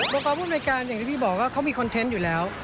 บอกว่าวุ่นรายการอย่างที่พี่บอกว่าเขามีคอนเทนต์อยู่แล้ว